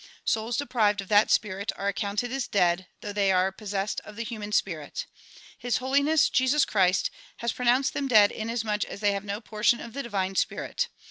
Souls de prived of that spirit are accounted as dead, though they are pos sessed of the human spirit. His Holiness elesus Christ has pro nounced them dead inasmuch as they have no portion of the divine spirit.